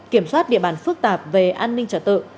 kiểm soát địa bàn phức tạp về an ninh trật tự